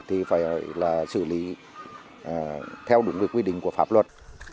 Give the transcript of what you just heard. thì phải là xử lý theo đúng quy định của pháp luật